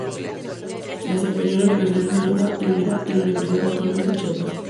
Se desempeñó en la Universidad Nacional de Córdoba y la Universidad Autónoma de Chiapas.